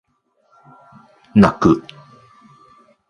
泣く